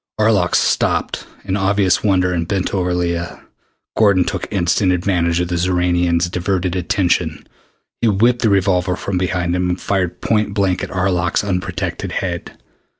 Arlok stopped in obvious wonder and bent over Leah. Gordon took instant advantage of the Xoranian's diverted attention. He whipped the revolver from behind him and fired point blank at Arlok's unprotected head.